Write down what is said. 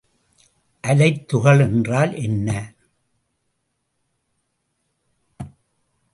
அலைத்துகள் என்றால் என்ன?